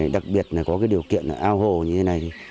đặc biệt là có cái điều kiện ao hồ như thế này